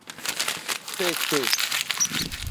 feke